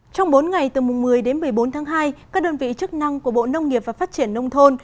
trong bốn ngày từ mùng một mươi đến một mươi bốn tháng hai các đơn vị chức năng của bộ nông nghiệp và phát triển nông thôn